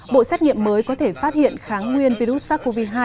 bộ xét nghiệm mới có thể phát hiện kháng nguyên virus sars cov hai